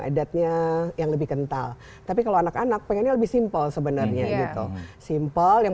adatnya yang lebih kental tapi kalau anak anak pengennya lebih simpel sebenarnya gitu simpel yang